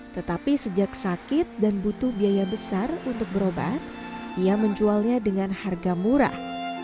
tetapi sejak sakit dan butuh biaya besar untuk berobat ia menjualnya dengan harga murah